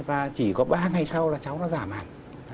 và chỉ có ba ngày sau là cháu nó giảm hẳn